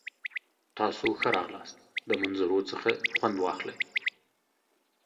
تاسو ښه راغلاست. د منظرو څخه خوند واخلئ!